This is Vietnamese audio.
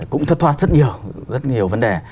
cũng thất thoát rất nhiều vấn đề